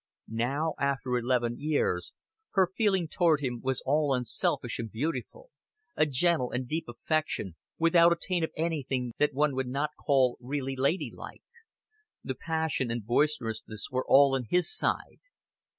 Now after eleven years her feeling toward him was all unselfish and beautiful, a gentle and deep affection, without a taint of anything that one would not call really lady like. The passion and boisterousness were all on his side.